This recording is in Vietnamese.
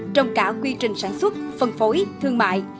trong cả quy trình sản xuất phân phối thương mại